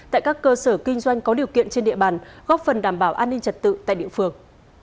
tại các cơ sở kinh doanh có điều kiện trên địa bàn góp phần đảm bảo an ninh trật tự tại địa phương